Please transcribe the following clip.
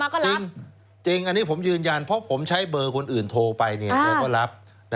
จริงอันนี้ผมยืนยันเพราะผมใช้เบอร์คนอื่นโทรไปแกก็รับ